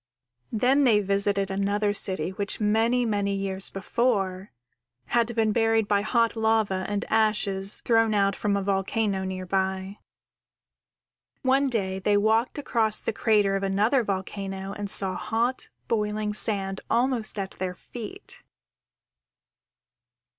_ _Then they visited another city which, many, many years before, had been buried by hot lava and ashes thrown out from a volcano near by. One day they walked across the crater of another volcano and saw hot, boiling sand almost at their feet.